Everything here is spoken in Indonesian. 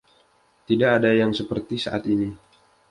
Tidak ada yang seperti saat ini.